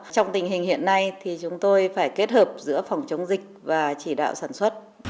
trong tình hình hiện nay thì chúng tôi phải kết hợp giữa phòng chống dịch và chỉ đạo sản xuất